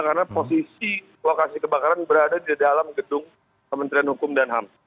karena posisi lokasi kebakaran berada di dalam gedung kementerian hukum dan ham